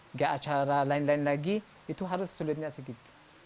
nggak acara lain lain lagi itu harus sulitnya sedikit